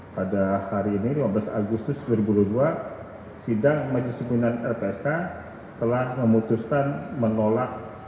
pada hari ini lima belas agustus dua ribu dua puluh dua sidang majelis umum lpsk telah memutuskan menolak